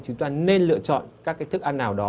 chúng ta nên lựa chọn các cái thức ăn nào đó